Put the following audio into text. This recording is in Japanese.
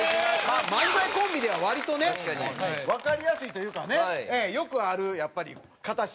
漫才コンビでは割とねわかりやすいというかねよくあるやっぱり形というか。